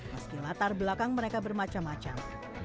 meski latar belakang mereka bermacam macam